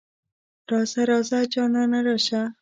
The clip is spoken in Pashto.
راځه ـ راځه جانانه راشه.